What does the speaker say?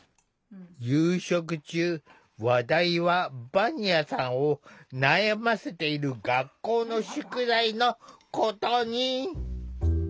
夕食中話題はヴァニアさんを悩ませている学校の宿題のことに。